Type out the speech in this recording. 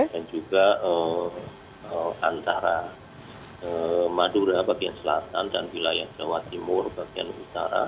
dan juga antara madura bagian selatan dan wilayah jawa timur bagian utara